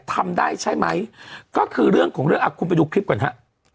ทำได้ใช่ไหมก็คือเรื่องของเรื่องอ่ะคุณไปดูคลิปก่อนฮะ